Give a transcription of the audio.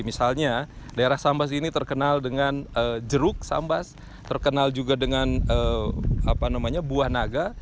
misalnya daerah sambas ini terkenal dengan jeruk sambas terkenal juga dengan buah naga